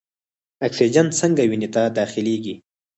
اکسیجن څنګه وینې ته داخلیږي؟